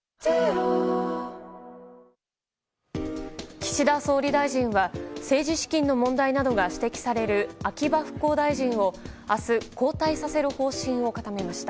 岸田総理大臣は政治資金の問題などが指摘される秋葉復興大臣を明日、交代させる方針を固めました。